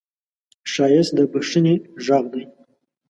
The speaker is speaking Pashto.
ښایست د بښنې غږ دی